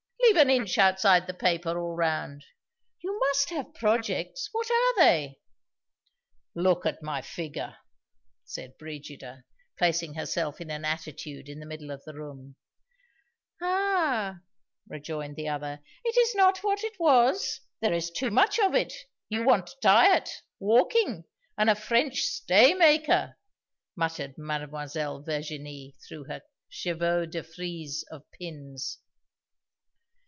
(Leave an inch outside the paper, all round.) You must have projects? What are they?" "Look at my figure," said Brigida, placing herself in an attitude in the middle of the room. "Ah," rejoined the other, "it's not what it was. There's too much of it. You want diet, walking, and a French stay maker," muttered Mademoiselle Virginie through her chevaus defrise of pins.